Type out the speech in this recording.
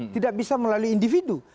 tidak bisa melalui individu